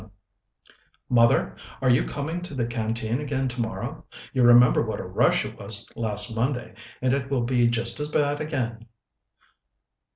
VII "Mother, are you coming to the Canteen again tomorrow? You remember what a rush it was last Monday, and it'll be just as bad again."